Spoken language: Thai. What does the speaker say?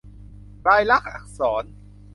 ลายลักษณ์อักษร